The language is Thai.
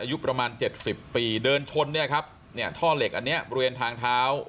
อายุประมาณเจ็ดสิบปีเดินชนเนี่ยครับเนี่ยท่อเหล็กอันนี้บริเวณทางเท้า